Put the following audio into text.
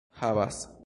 havas